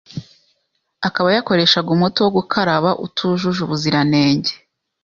akaba yakoreshaga umuti wo gukaraba utujuje ubuziranenge.